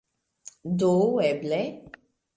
Do eble...